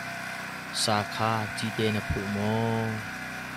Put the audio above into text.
Sa kha cite na phulh maw?